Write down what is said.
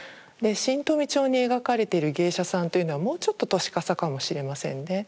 「新富町」に描かれている芸者さんというのはもうちょっと年かさかもしれませんで